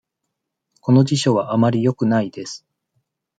この辞書はあまりよくないです。